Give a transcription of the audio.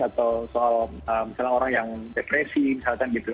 atau soal misalnya orang yang depresi misalkan gitu